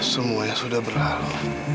semuanya sudah berlalu